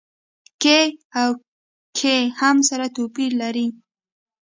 کې او کي هم توپير سره لري.